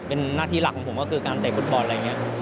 เป็นหน้าที่หลักของผมก็คือการเตะฟุตบอลอะไรอย่างนี้